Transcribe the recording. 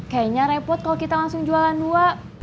kaya nya repot kalau kita langsung jualan dua